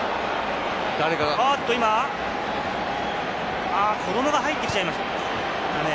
今、子どもが入ってきちゃいましたね。